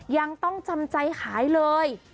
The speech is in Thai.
ยังต้องจำใจขายเลย